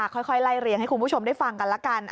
ค่อยไล่เรียงให้คุณผู้ชมได้ฟังกันละกัน